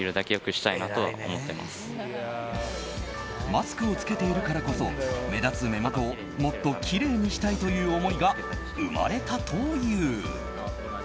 マスクを着けているからこそ目立つ目元をもっときれいにしたいという思いが生まれたという。